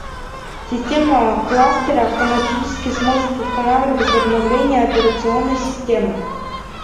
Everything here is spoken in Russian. Система кластера автоматически сможет устанавливать обновления операционной системы